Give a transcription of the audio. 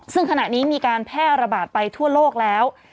ซึ่งขณะนี้มีการแพร่ระบาดไปทั่วโลกแล้ว